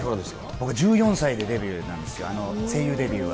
僕、１４歳でデビューなんですよ、声優デビューは。